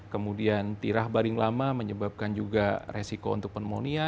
kemudian tirah baring lama menyebabkan juga resiko untuk pneumonia